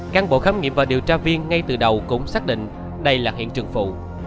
cán bộ khám nghiệm và điều tra viên ngay từ đầu cũng xác định đây là hiện trường phụ